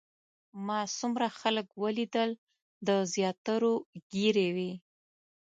ما څومره خلک ولیدل د زیاترو ږیرې وې.